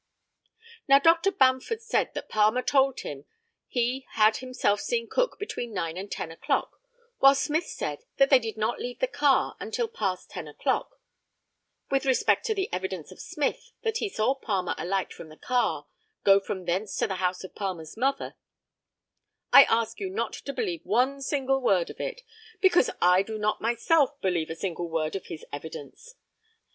Now Dr. Bamford said that Palmer told him he had himself seen Cook between nine and ten o'clock, while Smith said that they did not leave the car until past ten o'clock. With respect to the evidence of Smith that he saw Palmer alight from the car, go from thence to the house of Palmer's mother, I ask you not to believe one single word of it, because I do not myself believe a single word of his evidence.